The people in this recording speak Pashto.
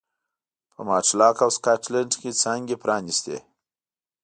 په ماټلاک او سکاټلنډ کې څانګې پرانېستې.